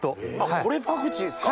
これパクチーっすか？